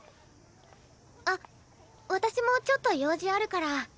あ私もちょっと用事あるから。